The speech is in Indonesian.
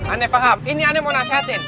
aneh faham ini aneh mau nasihatin